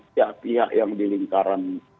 pihak pihak yang di lingkaran